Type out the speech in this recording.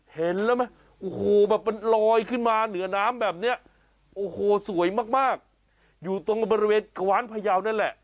เห็นไหมโอ้โหแบบมันลอยขึ้นมาเหนือน้ำแบบนี้โอ้โหสวยมากอยู่ตรงบริเวณกว้านพยาวนั่นแหละ